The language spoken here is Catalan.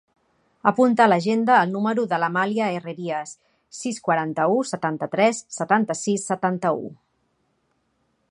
Apunta a l'agenda el número de l'Amàlia Herrerias: sis, quaranta-u, setanta-tres, setanta-sis, setanta-u.